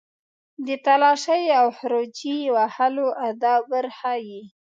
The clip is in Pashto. د تالاشۍ او خروجي وهلو آداب ور وښيي.